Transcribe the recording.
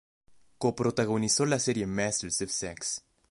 Coprotagonizó la serie "Masters of Sex.